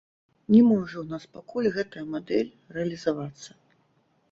Не можа ў нас пакуль гэтая мадэль рэалізавацца.